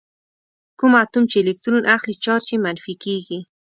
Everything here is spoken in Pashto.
کوم اتوم چې الکترون اخلي چارج یې منفي کیږي.